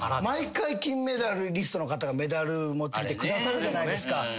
毎回金メダリストの方がメダル持ってきてくださるじゃないですか。